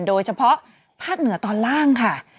โดยเฉพาะภาคเหนือตอนล่างค่ะ